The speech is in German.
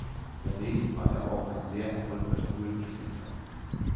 Daneben war er auch ein sehr erfolgreicher Hürden-Sprinter.